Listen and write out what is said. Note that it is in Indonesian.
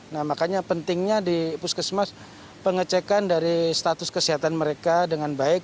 nah makanya pentingnya di puskesmas pengecekan dari status kesehatan mereka dengan baik